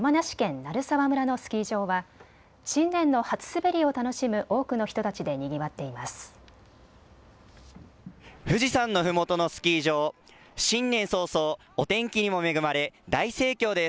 鳴沢村のスキー場は新年の初滑りを楽しむ多くの人たちでにぎわっています。